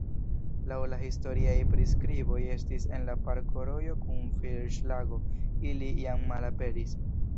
Laŭ la historiaj priskriboj estis en la parko rojo kun fiŝlago, ili jam malaperis.